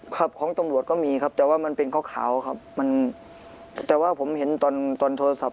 ครับของตำรวจก็มีครับแต่ว่ามันเป็นขาวขาวครับมันแต่ว่าผมเห็นตอนตอนโทรศัพท์